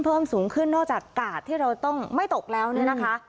เพิ่มสูงขึ้นนอกจากกาดที่เราต้องไม่ตกแล้วเนี่ยนะคะ